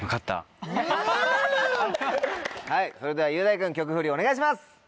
それでは雄大君曲フリお願いします！